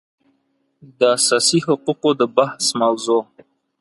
د اساسي حقوقو د بحث موضوع